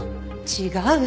違う！